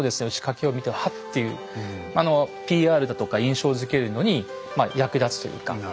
打掛を見てハッていうＰＲだとか印象づけるのにまあ役立つというか。